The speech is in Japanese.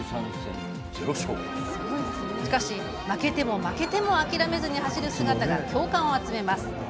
しかし、負けても負けても諦めずに走る姿が共感を集めます。